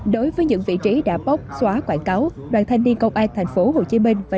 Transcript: đối với những vị trí đã bóc xóa quảng cáo đoàn thanh niên công an thành phố hồ chí minh và